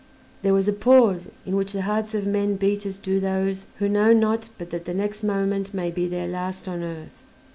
There was a pause, in which the hearts of men beat as do those who know not but that the next moment may be their last on earth.